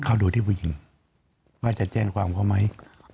เขาดูที่ผู้หญิงว่าจะแจ้งความเขาไหม